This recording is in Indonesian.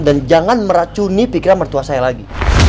dan jangan meracuni pikiran mertua saya lagi